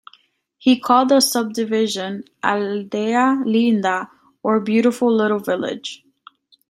He called the subdivision Aldea Linda or Beautiful Little Village.